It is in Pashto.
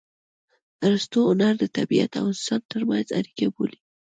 ارستو هنر د طبیعت او انسان ترمنځ اړیکه بولي